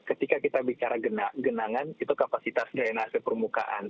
ketika kita bicara genangan itu kapasitas dna sepermukaan